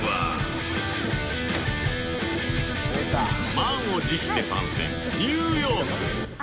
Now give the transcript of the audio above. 満を持して参戦ニューヨーク